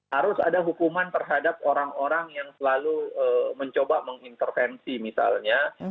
harus ada hukuman terhadap orang orang yang selalu mencoba mengintervensi misalnya